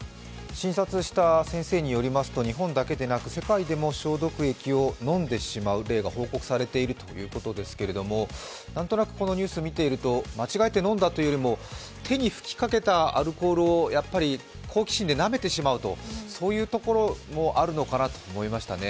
診察した先生によりますと、日本だけでなく世界でも消毒液を飲んでしまう例が報告されているということですけれども、何となくこのニュース見ていると間違えて飲んだというよりも手に拭きかけたアルコールを好奇心でなめてしまうとそういうところもあるのかなと思いましたね。